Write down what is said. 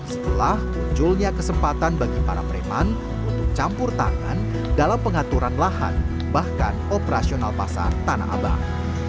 setelah munculnya kesempatan bagi para preman untuk campur tangan dalam pengaturan lahan bahkan operasional pasar tanah abang